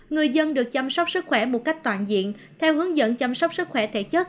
người dân được chăm sóc sức khỏe một cách toàn diện theo hướng dẫn chăm sóc sức khỏe thể chất